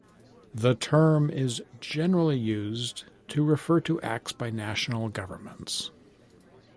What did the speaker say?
The term is generally used to refer to acts by national governments.